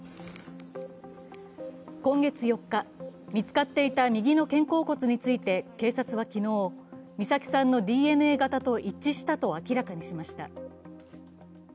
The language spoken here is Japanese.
今月４日、見つかっていた右の肩甲骨について警察は昨日美咲さんのＤＮＡ型と一致したと明らかにしました。